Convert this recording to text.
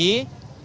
ya yuda dan megi